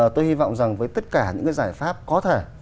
tôi hy vọng rằng với tất cả những cái giải pháp có thể